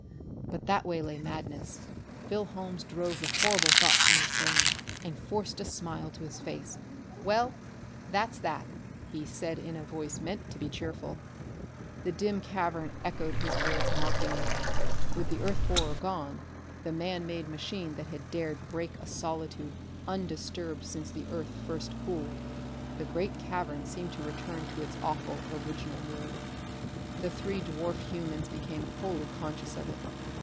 But that way lay madness. Phil Holmes drove the horrible thoughts from his brain and forced a smile to his face. "Well, that's that!" he said in a voice meant to be cheerful. The dim cavern echoed his words mockingly. With the earth borer gone the man made machine that had dared break a solitude undisturbed since the earth first cooled the great cavern seemed to return to its awful original mood. The three dwarfed humans became wholly conscious of it.